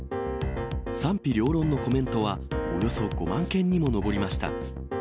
賛否両論のコメントはおよそ５万件にも上りました。